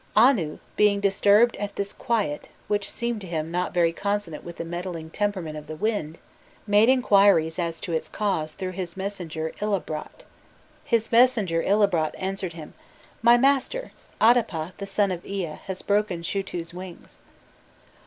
Anu, being disturbed at this quiet, which seemed to him not very consonant with the meddling temperament of the wind, made inquiries as to its cause through his messenger Ilabrat. "His messenger Ilabrat answered him: 'My master, Adapa, the son of Ea, has broken Shutu's wings.